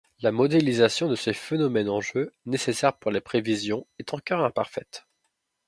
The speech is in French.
La modélisation de ces phénomènes en jeu, nécessaire pour les prévisions, est encore imparfaite.